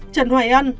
trần hoài ân